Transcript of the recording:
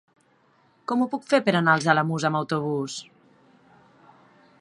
Com ho puc fer per anar als Alamús amb autobús?